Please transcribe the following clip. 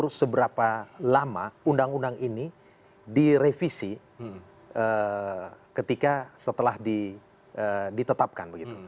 jadi diukur seberapa lama undang undang ini direvisi ketika setelah ditetapkan begitu